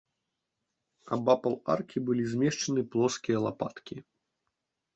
Абапал аркі былі змешчаны плоскія лапаткі.